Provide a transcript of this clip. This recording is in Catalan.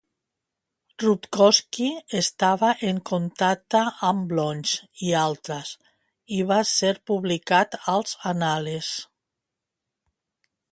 Rutkowski estava en contacte amb Bloch i altres, i va ser publicat als Annales.